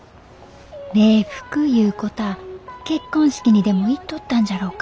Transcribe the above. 礼服いうこたあ結婚式にでも行っとったんじゃろうか。